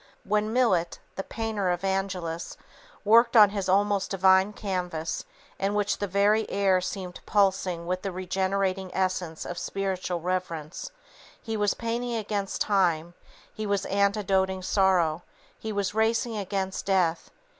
When Millet, the painter of the "Angelus" worked on his almost divine canvas, in which the very air seems pulsing with the regenerating essence of spiritual reverence, he was painting against time, he was antidoting sorrow, he was racing against death.